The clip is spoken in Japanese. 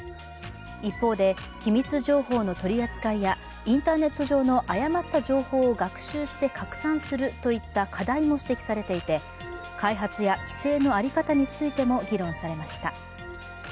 一方で、機密情報の取り扱いやインターネット上の誤った情報を学習して拡散するといった課題も指摘されていて開発や規制の在り方についても議論されました。